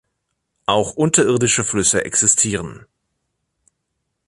Auch unterirdische Flüsse existieren.